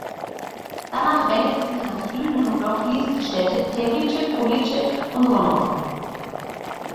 Danach wendet sie sich nach Süden und durchfließt die Städte Teplice, Police und Hronov.